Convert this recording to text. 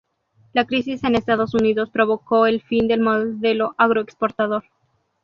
La crisis en Estados Unidos provocó el fin del modelo agroexportador.